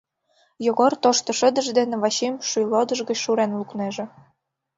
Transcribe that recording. Йогор тошто шыдыж дене Вачим шӱйлодыш гыч шурен лукнеже.